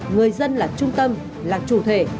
người dân là trung tâm là chủ thể